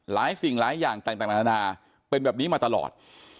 หลายสิ่งหลายอย่างต่างเป็นแบบนี้มาตลอด